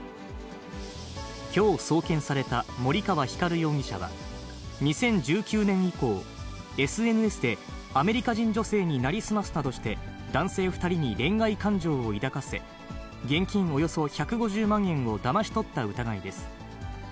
きょう送検された森川光容疑者は、２０１９年以降、ＳＮＳでアメリカ人女性に成り済ますなどして、男性２人に恋愛感情を抱かせ、現金およそ１５０万円をだまし取った疑いです。